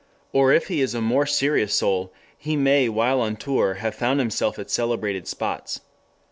Or if he is a more serious soul he may while on tour have found himself at celebrated spots.